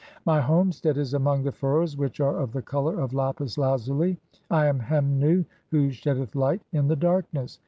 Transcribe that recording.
"My homestead is among the furrows which are [of the colour "of] lapis lazuli. I am (9) Hem Nu (Y) who sheddeth light in "the darkness.